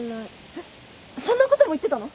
えっそんなことも言ってたの？